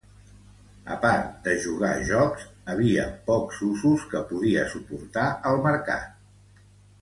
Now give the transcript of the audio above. A part de jugar jocs, havia pocs usos que podia suportar el mercat.